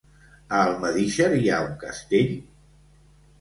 A Almedíxer hi ha un castell?